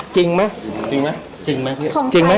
จริงมั้ยจริงมั้ยจริงมั้ยจริงมั้ย